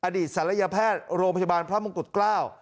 ศัลยแพทย์โรงพยาบาลพระมงกุฎเกล้า